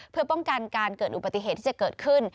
เพื่อป้องกันการเกิดอุบัติเหตุที่จะเกิดขึ้น